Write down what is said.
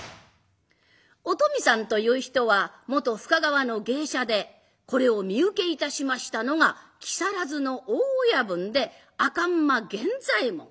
お富さんという人は元深川の芸者でこれを身請けいたしましたのが木更津の大親分で赤馬源左衛門。